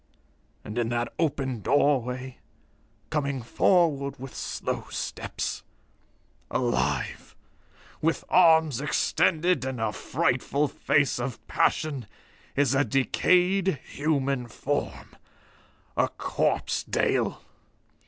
And in that open doorway, coming forward with slow steps alive, with arms extended and a frightful face of passion is a decayed human form. A corpse, Dale.